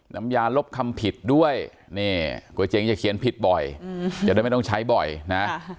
น้ำยาลบคำผิดด้วยนี่ก๋วยเจ๋งจะเขียนผิดบ่อยจะได้ไม่ต้องใช้บ่อยนะ